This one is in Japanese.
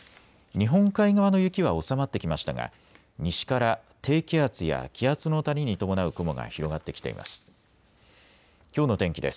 日本海側の雪は収まってきましたが西から低気圧や気圧の谷に伴う雲が広がってきています。